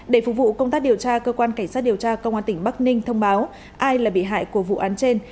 để phục vụ công tác điều tra cơ quan cảnh sát điều tra công an tỉnh bắc ninh thông báo ai là bị hại của vụ án trên